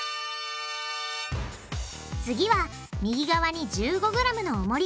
次は右側に１５ｇのおもり。